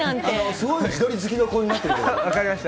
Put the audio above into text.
すごい自撮り好きの子になっ分かりました。